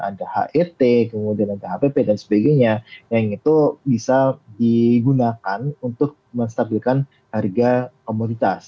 ada het kemudian ada hpp dan sebagainya yang itu bisa digunakan untuk menstabilkan harga komoditas